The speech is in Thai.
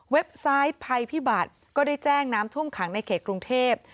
ไซต์ภัยพิบัตรก็ได้แจ้งน้ำท่วมขังในเขตกรุงเทพ